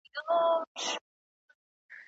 د ځان ساتني دپاره زغم مهم دی.